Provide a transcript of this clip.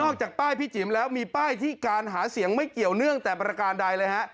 จากป้ายพี่จิ๋มแล้วมีป้ายที่การหาเสียงไม่เกี่ยวเนื่องแต่ประการใดเลยฮะ